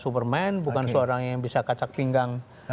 superman bukan seorang yang bisa kacak pinggang